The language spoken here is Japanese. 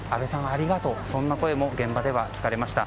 ありがとうそんな声も現場では聞かれました。